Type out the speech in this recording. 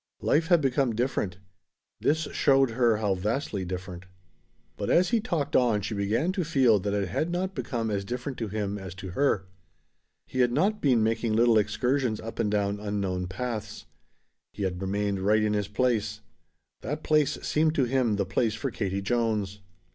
Life had become different. This showed her how vastly different. But as he talked on she began to feel that it had not become as different to him as to her. He had not been making little excursions up and down unknown paths. He had remained right in his place. That place seemed to him the place for Katie Jones.